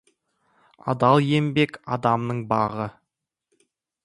Адал еңбек — адамның бағы.